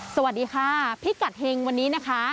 สวัสดีค่ะพิกัดเฮงวันนี้นะคะ